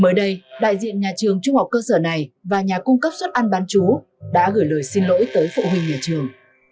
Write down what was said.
mới đây đại diện nhà trường trung học cơ sở này và nhà cung cấp suất ăn bán chú đã gửi lời xin lỗi tới phụ huynh nhà trường